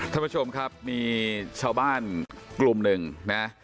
ท่านผู้ชมครับมีชาวบ้านกลุ่มหนึ่งนะ